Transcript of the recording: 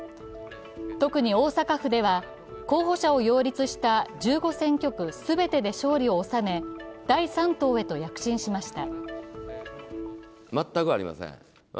特に大阪府では候補者を擁立した１５選挙区全てで勝利を収め、第３党へと躍進しました。